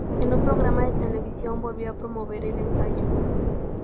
En un programa de televisión, volvió a promover el ensayo.